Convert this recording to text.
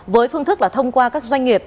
với phương thức là thông qua các doanh nghiệp